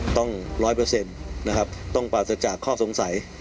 ต้องร้อยเปอร์เซ็นต์นะครับต้องปราศจากข้อสงสัย